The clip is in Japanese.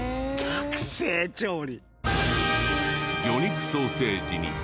学生調理。